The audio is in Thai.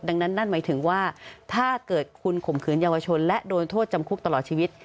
ดังนั้นนั่นหมายถึงว่าถ้าเกิดคุณข่มขืนเยาวชนและโดนโทษจำคุกตลอดชีวิต